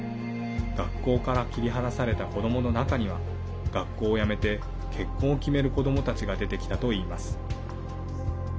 学校から切り離された子どもの中には、学校を辞めて結婚を決める子どもたちが出てきたといいます。